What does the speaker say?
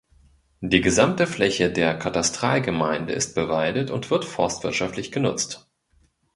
Die gesamte Fläche der Katastralgemeinde ist bewaldet und wird forstwirtschaftlich genutzt.